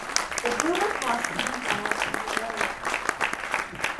The bloomer costume died - temporarily.